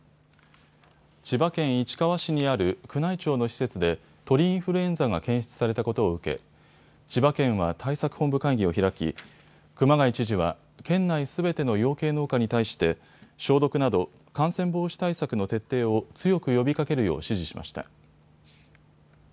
千葉県市川市にある宮内庁の施設で鳥インフルエンザが検出されたことを受け、千葉県は対策本部会議を開き熊谷知事は県内すべての養鶏農家に対して消毒など感染防止対策の徹底を強く呼びかけるよう指示しました。